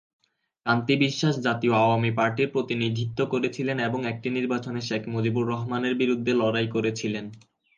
কান্তি বিশ্বাস জাতীয় আওয়ামী পার্টির প্রতিনিধিত্ব করেছিলেন এবং একটি নির্বাচনে শেখ মুজিবুর রহমানের বিরুদ্ধে লড়াই করেছিলেন।